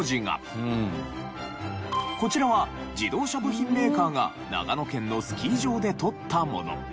こちらは自動車部品メーカーが長野県のスキー場で撮ったもの。